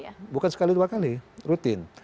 iya bukan sekali dua kali rutin